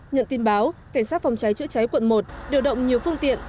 nhận tin báo cảnh sát phòng cháy chữa cháy quận một điều động nhiều phương tiện